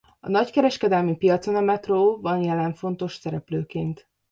A nagykereskedelmi piacon a Metro van jelen fontos szereplőként.